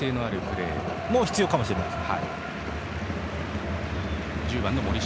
それも必要かもしれません。